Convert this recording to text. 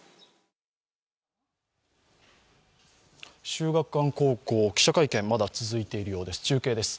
秀岳館高校、記者会見まだ続いているようです。